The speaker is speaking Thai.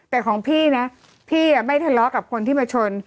แต่ของพี่นะพี่ไม่ทะเลาะกับคนที่มาชน